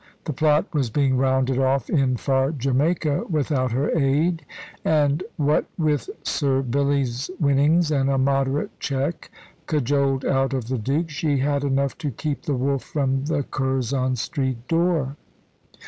The plot was being rounded off in far Jamaica without her aid, and what with Sir Billy's winnings and a moderate cheque cajoled out of the Duke, she had enough to keep the wolf from the Curzon Street door.